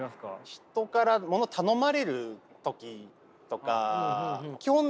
人からものを頼まれる時とか基本